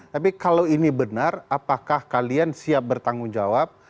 tapi kalau ini benar apakah kalian siap bertanggung jawab